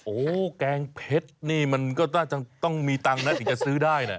โอ๊ยแกงเผ็ดนี่มันก็ต้องมีตังค์นะถึงจะซื้อได้หน่ะ